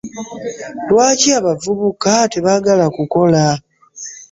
Lwaki abavubuka tebaagala kukola?